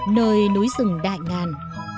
nơi núi rừng đại ngàn